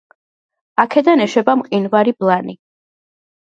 აქედან ეშვება მყინვარი ბლანი.